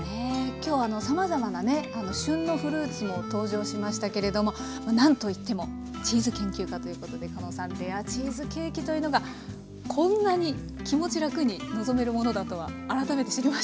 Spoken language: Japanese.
今日さまざまなね旬のフルーツも登場しましたけれどもなんといってもチーズ研究家ということでかのうさんレアチーズケーキというのがこんなに気持ち楽に臨めるものだとは改めて知りました。